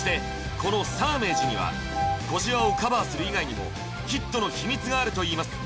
このサーメージには小じわをカバーする以外にもヒットの秘密があるといいます